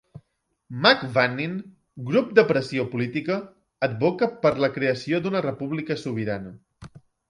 Mec Vannin, grup de pressió política, advoca per la creació d'una república sobirana.